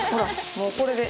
もう、これで。